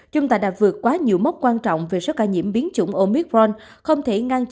chúng ta đã vượt quá nhiều mốc quan trọng về số ca nhiễm biến chủng omicron